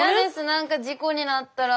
何か事故になったら。